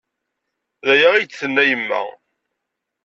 D aya ay d-tenna yemma.